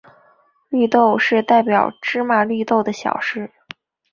绿豆是代表芝麻绿豆的小事。